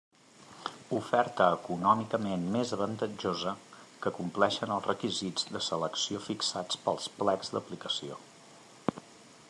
Oferta econòmicament més avantatjosa, que compleixen els requisits de selecció fixats pels plecs d'aplicació.